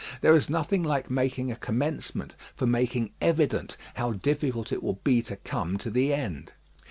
There is nothing like making a commencement for making evident how difficult it will be to come to the end.